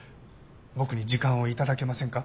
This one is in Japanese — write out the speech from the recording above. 僕に時間を頂けませんか？